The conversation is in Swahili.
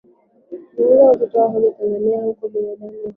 Imeongeza uzito wa hoja ya Tanzania kuwa chimbuko la binadamu